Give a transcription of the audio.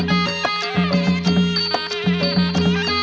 สวัสดีครับ